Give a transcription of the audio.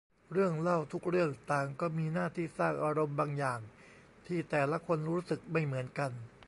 เรื่องเล่าทุกเรื่องต่างก็มีหน้าที่สร้างอารมณ์บางอย่าง ที่แต่ละคนรู้สึกไม่เหมือนกัน